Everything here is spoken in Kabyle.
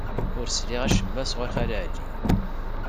Ur sliɣ acemma sɣur Xali Ɛli.